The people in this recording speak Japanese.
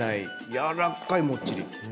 やわらかいもっちり。